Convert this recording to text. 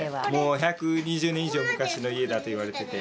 １２０年以上昔の家だといわれてて。